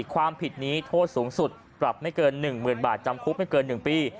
ความผิดนี้โทษสูงสุดปรับไม่เกิน๑๐๐๐บาทจำคุกไม่เกิน๑ปี